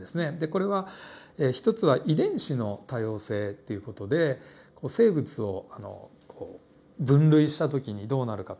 これは１つは遺伝子の多様性っていう事でこう生物を分類した時にどうなるか。